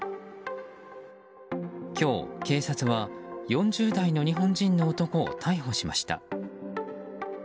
今日、警察は４０代の日本人の男を逮捕しました。